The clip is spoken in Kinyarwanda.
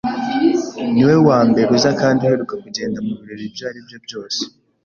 Niwe wambere uza kandi uheruka kugenda mubirori ibyo aribyo byose.